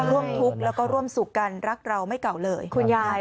ร่วมทุกข์แล้วก็ร่วมสุขกันรักเราไม่เก่าเลยคุณยาย